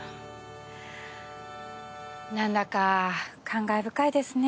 なんだか感慨深いですね。